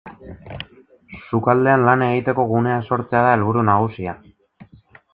Sukaldean lan egiteko guneak sortzea da helburu nagusia.